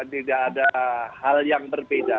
tidak ada hal yang berbeda